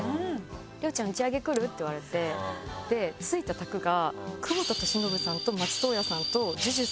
「レオちゃん打ち上げ来る？」って言われてついた卓が。